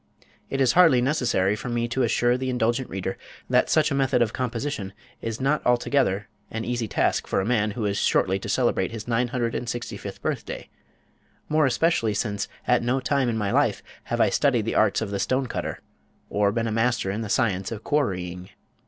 It is hardly necessary for me to assure the indulgent reader that such a method of composition is not altogether an easy task for a man who is shortly to celebrate his nine hundred and sixty fifth birthday, more especially since at no time in my life have I studied the arts of the Stone Cutter, or been a master in the Science of Quarrying.